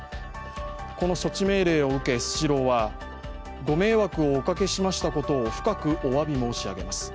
この措置命令を受け、スシローは、ご迷惑をおかけしましたことを深くおわび申し上げます。